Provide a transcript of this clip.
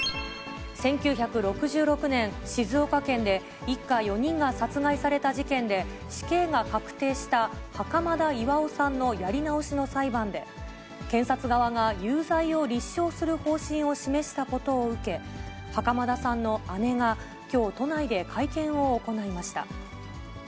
１９６６年、静岡県で一家４人が殺害された事件で、死刑が確定した袴田巌さんのやり直しの裁判で、検察側が有罪を立証する方針を示したことを受け、袴田さんの姉がきょう、都内で会見を行いました。